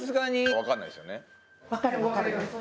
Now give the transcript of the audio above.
わかんないですよね？